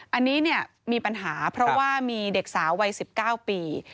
อันนี้มีปัญหาเพราะว่ามีเด็กสาววัย๑๙ปี